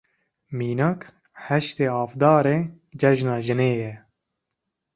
Mînak, heştê Avdarê Cejna Jinê ye.